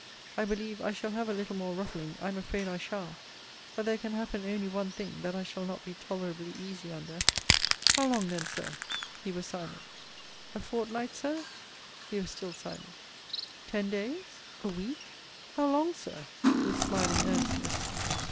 I believe I shall have a little more ruffling I am afraid I shall but there can happen only one thing that I shall not be tolerably easy under How long then, Sir? He was silent. A fortnight, Sir? He was still silent. Ten days? A week? How long, Sir? with smiling earnestness.